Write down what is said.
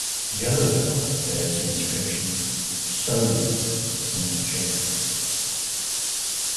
The other bell bears the inscription: Solin - Saint Jacob.